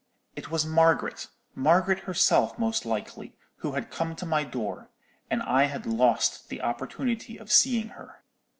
It was Margaret, Margaret herself most likely, who had come to my door; and I had lost the opportunity of seeing her.